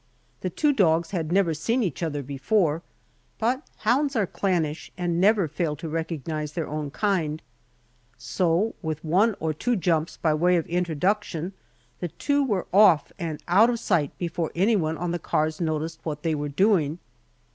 The two dogs had never seen each other before, but hounds are clannish and never fail to recognize their own kind, so with one or two jumps by way of introduction, the two were off and out of sight before anyone at the cars noticed what they were doing.